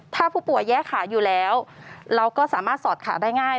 ถ้าผู้ป่วยแยกขาอยู่แล้วเราก็สามารถสอดขาได้ง่าย